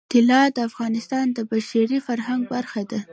طلا د افغانستان د بشري فرهنګ برخه ده.